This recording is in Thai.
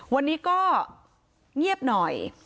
วันนี้ก็เงียบหน่อย